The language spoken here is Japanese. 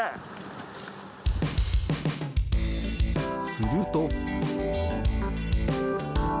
すると。